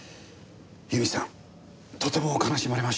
由美さんとても悲しまれましてね。